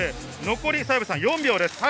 残り４秒です。